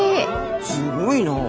すごいなあ。